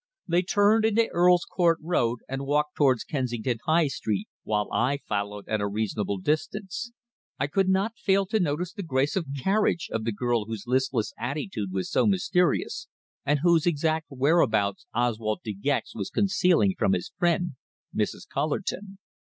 They turned into Earl's Court Road and walked towards Kensington High Street, while I followed at a respectable distance. I could not fail to notice the grace of carriage of the girl whose listless attitude was so mysterious, and whose exact whereabouts Oswald De Gex was concealing from his friend, Mrs. Cullerton.